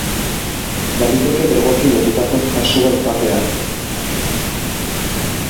Baliteke drogekin lotutako kasua izatea.